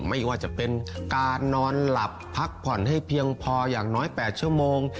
ไม่ว่าจะเป็นการนอนหลับพักผ่อนให้เพียงพออย่างน้อย๘ชั่วโมง